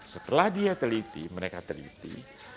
setelah dia teliti mereka teliti